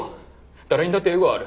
誰にだってエゴはある。